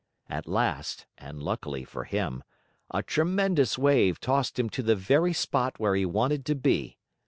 At last, and luckily for him, a tremendous wave tossed him to the very spot where he wanted to be.